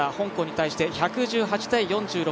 香港に対して１１８−４６。